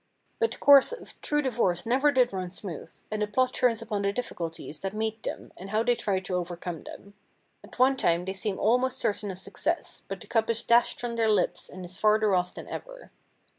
But the course of true divorce never did run smooth, and the plot turns upon the difficulties that meet them and how they try to overcome them. At one time they seem almost certain of success, but the cup is dashed from their lips and is farther off than ever.